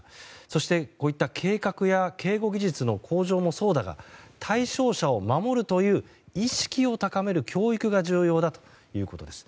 そしてこういった計画や警護技術の向上もそうだが対象者を守るという意識を高める教育が重要だということです。